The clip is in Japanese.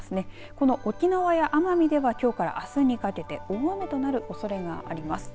この沖縄や奄美ではきょうからあすにかけて大雨となるおそれがあります。